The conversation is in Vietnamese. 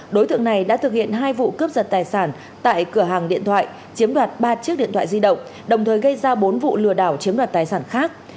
đối tượng này đã thực hiện hai vụ cướp giật tài sản tại cửa hàng điện thoại chiếm đoạt ba chiếc điện thoại di động đồng thời gây ra bốn vụ lừa đảo chiếm đoạt tài sản khác